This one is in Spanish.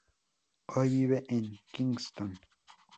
Hoy vive en Kingston.